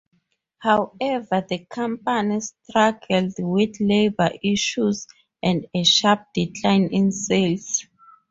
However, the company struggled with labor issues and a sharp decline in sales.